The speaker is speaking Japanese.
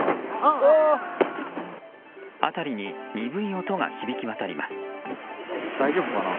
辺りに鈍い音が響き渡ります。